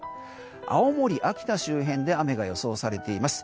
青森、秋田周辺で雨が予想されています。